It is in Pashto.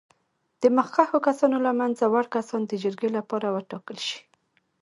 د مخکښو کسانو له منځه وړ کسان د جرګې لپاره وټاکل شي.